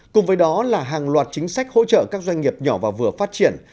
cùng với đó là hàng loạt chính sách hỗ trợ các doanh nghiệp nhỏ và vừa phát triển